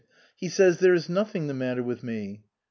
He says there is nothing the matter with me."